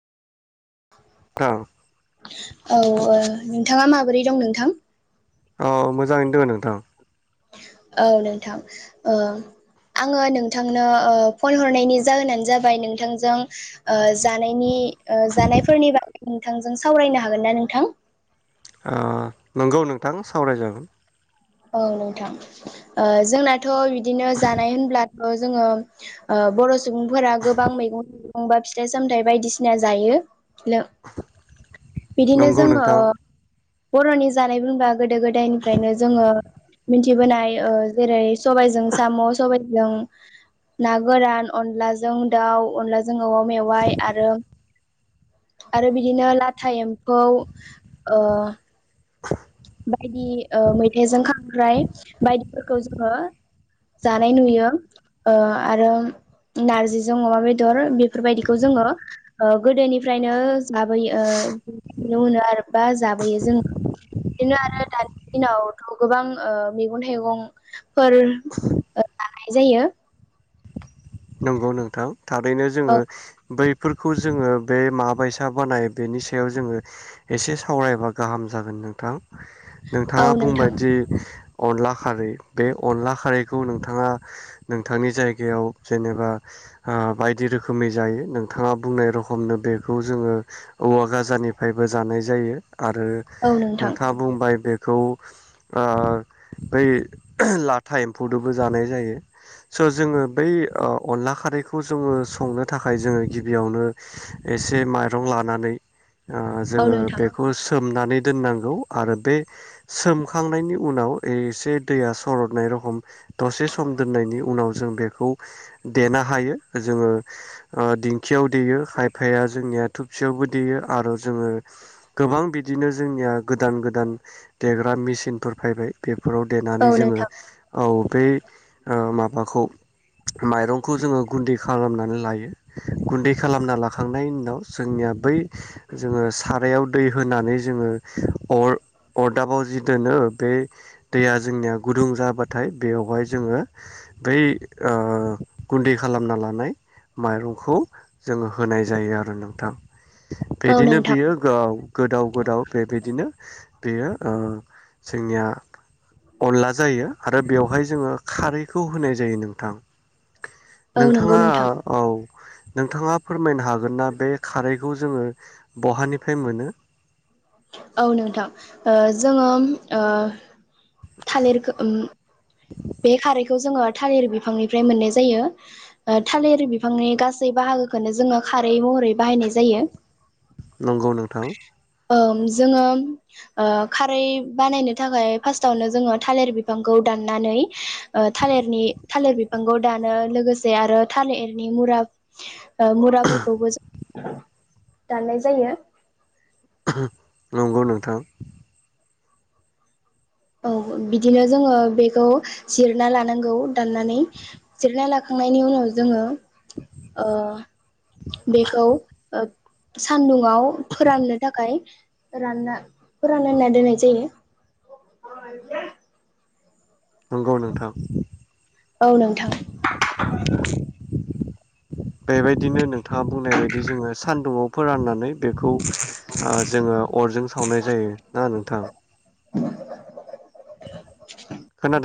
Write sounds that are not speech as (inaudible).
औ। औ ओ नोंथाङा माबोरै दं नोंथां? औ मोजाङैनो दङ नोंथां। औ नोंथां ओ आङो नोंथांनो ओ फन हरनायनि जाहोनानो जाबाय नोंथांजों ओ जानायनि। ओ जानायफोरनि बागै। नोंथांजों सावरायनो हागोन ना नोंथां? ओ नंगौ नोंथां सावरायजागोन। औ नोंथां ओ जोंना थ बिदिनो जानाय होनब्ला। ओ जोङो ओ बर सुबुंफोरा गोबां मैगं थाइगं बा फिथाइ सामथाइ बायदिसिना जायो। बिदिनो नंगौ जोङो। नोंथां बर'नि जानाय बुंबा गोदो गोदायनिफ्रायनो जोङो मिनथिबोनाय ओ जेरै सबायजों साम सबायजों ना गोरान अनलाजों दाउ अनलाजों जों औवा मेवाइ आरो आरो बिदिनो लाथा एम्फौ ओ (unintelligible) बायदि ओ मैथाजों खांख्राइ बायदिफोरखौ जोङो जानाय नुयो ओ आरो नारजिजों अमा बेदर बेफोरबायदिखौ जोङो ओ गोदोनिफ्रायनो जाबोयो ओ नुनो मोनो आरो। बा जाबोयो जों। बिदिनो आरो दानि दिनावथ गोबां ओ मैगं थाइगंफोर ओ जानाय जायो। नंगौ नोंथां। थारैनो औ जोङो बै फोरखौ जोङो बे माबायसा बानायो बेनि सायाव जोङो एसे सावरायबा गाहाम जागोन नोंथां। औ नोंथाङा नोंथां बुंबायदि अनला खारै बे अनला खारैखौ नोंथाङा नोंथांनि जायगायाव जेनेबा ओ बायदि रोखोमनि जायो नोंथाङा बुंनाय रखमनो बेखौ जोङो औवा गाजानिफ्रायबो जानाय जायो। आरो औ नोंथां नोंथाङा बुंबाय बे खौ ओ बै लाथा एम्फौदोबो जानाय जायो स' जोङो बै औ अनला खारैखौ जोङो संनो थाखाय जोङो गिबियावनो एसे माइरं लानानै ओ औ जोङो नोंथां बेखौ सोब सोमनानै दोननांगौ आरो बे सोमखांनायनि उनाव एसे दैया सरदनाय रखम दसे सम दोननायनि उनाव जों बेखौ देनो हायो जोङो ओ दिं खियाव देयो खायफाया जोंनिया थुबसियावबो देयो आरोद जोङो गोबां बिदिनो जोंनिया गोदान गोदान देग बा मेसिनफोर फायबाय बेब बेफोराव औ देनानै जोङो नोंथां औ बे ओ माब माखौ? माइरंखौ जोङो गुन्दै खालामनानै लायो गुन्दै खालामना लाख थांनायनि उनाव जोंनिया बै जोङो सारायाव दै होनानै जोङो अर अरदाबाव जि दोनो बे दैया जोंनिया गुदुं जाबाथाय बेयावहाय जोङो बै ओ गुन्दै खालामना लानाय माइरंखौ जोङो होनाय जायो आरो नोंथां औ बिदिनो नोंथां बियो गाव गोदाव गोदाव बेबायदिनो बेयो ओ जोंनिया अनला जायो आरो बेवहाय जोङो खारैखौ होनाय जायो नों थां औ नंगौ नोंथाङा नोंथां औ नोंथाङा फोरमायनो हाग गोन ना बे खारैखौ ज जोङो बहानिफ्राय मोनो? औ नोंथां ओ जोङोम ओ थालिरखो उम बे खारैखौ जोङो थालिर बिफांनिफ्राय मोननाय जायो ओ थालिर बिफांनि गासै बाहागोखौनो जोङो खारै महरै बाहायनाय जायो। नंगौ नोंथां ओम जोङो ओ खारै बानायनो थाखाय फार्स्टावनो जोङो थालिर बिफांखौ दाननानै ओ थालिरनि थालिर बिफांखौ दानो लोगोसे आरो थालिरनि मुरा ओ मुराफोरखौबो ज दाननाय जायो। नंगौ नोंथां औ बिदिनो जोङो बेखौ जिरना लानांगौ दाननानै जिरना लाखांनायनि उनाव जोङो ओ बेखौ सान्दुंङाव फोराननो थाखाय रानना फोरानना दोननाय जायो (inaudible) नंगौ नोंथां औ नोंथां बेबायदिनो नों थाङा बुंनाय बायदि जोङो सानदुंङाव फोराननानै बेखौ ओ जोङो अरजों सावनाय जायो ना नोंथां खोनादों